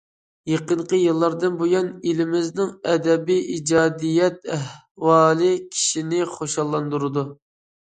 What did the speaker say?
يېقىنقى يىللاردىن بۇيان، ئېلىمىزنىڭ ئەدەبىي ئىجادىيەت ئەھۋالى كىشىنى خۇشاللاندۇرىدۇ.